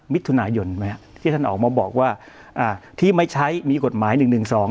มิถุนายนไหมที่ท่านออกมาบอกว่าอ่าที่ไม่ใช้มีกฎหมายหนึ่งหนึ่งสอง